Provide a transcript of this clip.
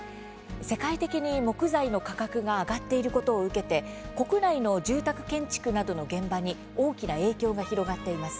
世界的に木材の価格が上がっていることを受けて国内の住宅建築などの現場に大きな影響が広がっています。